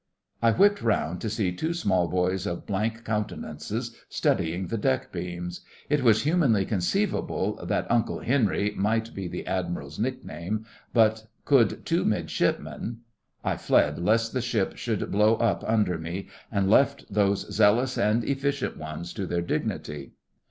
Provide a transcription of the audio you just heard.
I whipped round, to see two small boys of blank countenances studying the deck beams. It was humanly conceivable that 'Uncle Henry' might be the Admiral's nickname, but could two Midshipmen—? I fled lest the ship should blow up under me, and left those zealous and efficient ones to their dignity.